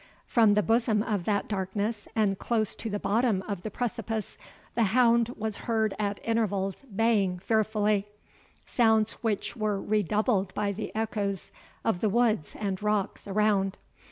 From the bosom of that darkness, and close to the bottom of the precipice, the hound was heard at intervals baying fearfully, sounds which were redoubled by the echoes of the woods and rocks around.